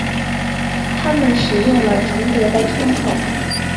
他们使用了重叠的窗口。